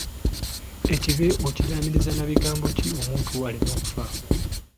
Ekibe okiraamiriza na bigambi ki omuntu wo aleme kufa?